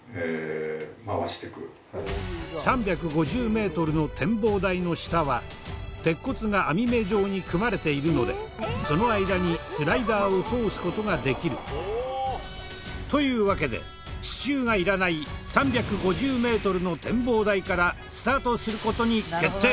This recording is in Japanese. ３５０メートルの展望台の下は鉄骨が網目状に組まれているのでその間にスライダーを通す事ができる。というわけで支柱がいらない３５０メートルの展望台からスタートする事に決定！